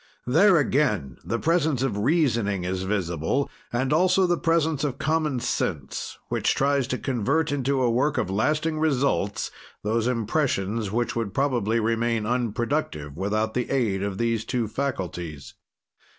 There, again, the presence of reasoning is visible, and also the presence of common sense, which tries to convert into a work of lasting results those impressions which would probably remain unproductive without the aid of these two faculties.